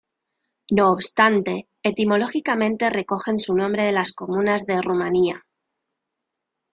No obstante, etimológicamente recogen su nombre de las comunas de Rumania.